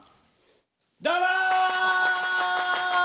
どうも！